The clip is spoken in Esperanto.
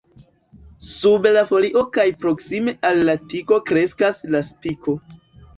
Sub la folio kaj proksime al la tigo kreskas la spiko.